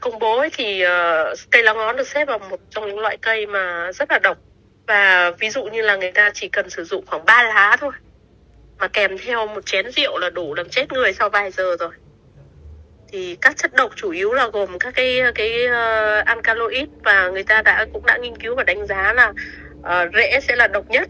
người ta cũng đã nghiên cứu và đánh giá là rễ sẽ là độc nhất